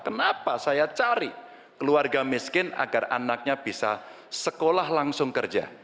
kenapa saya cari keluarga miskin agar anaknya bisa sekolah langsung kerja